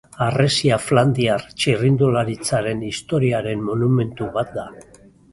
Harresia flandriar txirrindularitzaren historiaren monumentu bat da.